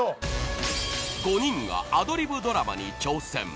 ［５人がアドリブドラマに挑戦］